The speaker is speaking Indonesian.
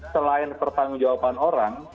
selain pertanggung jawaban orang